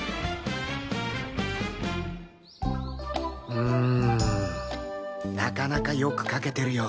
うんなかなか良く書けてるよ。